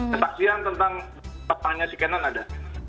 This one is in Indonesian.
persaksian tentang pertanyaan si canon ada